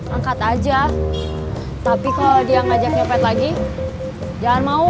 angkat aja tapi kok dia ngajak nyepet lagi jangan mau